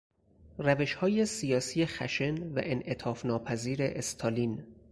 روشهای سیاسی خشن و انعطاف ناپذیر استالین